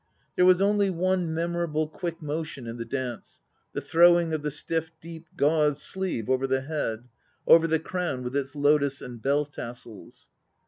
There was only one memorable 266 THE NO PLAYS OF JAPAN quick motion in the dance, the throwing of the stiff deep gauze sleeve over the head, over the crown with its lotus and bell tassels.